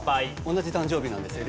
同じ誕生日なんです